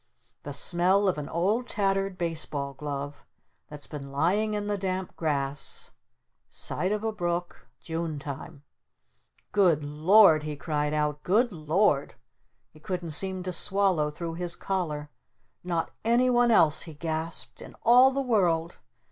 the smell of an old tattered baseball glove that's been lying in the damp grass side of a brook June Time. "Good Lord!" he cried out. "Good Lord!" He couldn't seem to swallow through his collar. "Not anyone else!" he gasped. "In all the world!